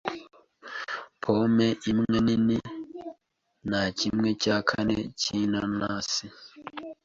Pome imwe nini na Kimwe cya kane cy’inanasi